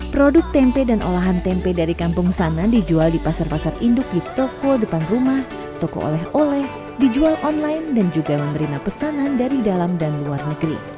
produk tempe dan olahan tempe dari kampung sana dijual di pasar pasar induk di toko depan rumah toko oleh oleh dijual online dan juga di perusahaan